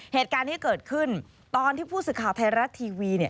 เหตุการณ์ที่เกิดขึ้นตอนที่ผู้สื่อข่าวไทยรัฐทีวีเนี่ย